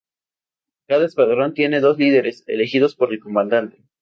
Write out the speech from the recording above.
Cada escuadrón tiene dos líderes, elegidos por el comandante.